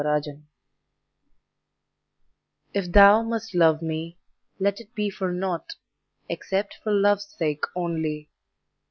XIV If thou must love me, let it be for nought Except for love's sake only.